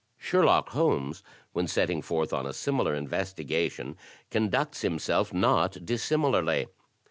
Sherlock Holmes when setting forth on a similar investi gation conducts himself not dissimilarly.